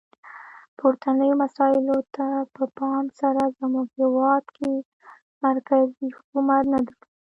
پورتنیو مسایلو ته په پام سره زموږ هیواد کې مرکزي حکومت نه درلود.